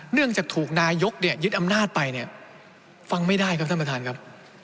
เนื่องจากถูกนายกเนี่ยยึดอำนาจไปเนี่ยฟังไม่ได้ครับท่านประธานครับ